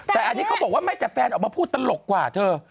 แต่อันนี้เขาบอกว่าไม่แต่แฟนออกมาพูดตลกกว่าเธอ